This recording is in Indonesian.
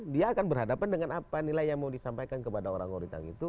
dia akan berhadapan dengan apa nilai yang mau disampaikan kepada orang orang itu